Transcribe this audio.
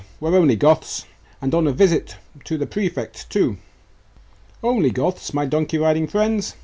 we're only Goths; and on a visit to the prefect, too.' 'Only Goths, my donkey riding friends!